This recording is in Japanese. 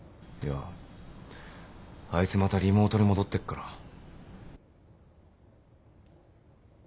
いやあいつまたリモートに戻ってっから。